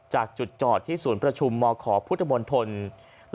จากจุดจอดที่ศูนย์ประชุมมขพุทธมนตร